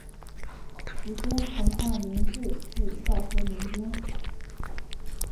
时间横跨明治至昭和年间。